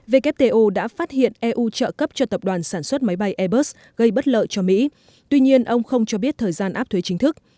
wto đã phát hiện eu trợ cấp cho tập đoàn sản xuất máy bay airbus gây bất lợi cho mỹ tuy nhiên ông không cho biết thời gian áp thuế chính thức